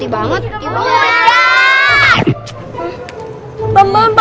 itu air mentah